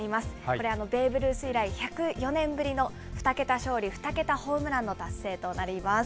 これ、ベーブ・ルース以来１０４年ぶりの２桁勝利２桁ホームランの達成となります。